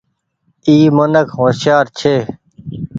اي منک هوشيآر ڇي۔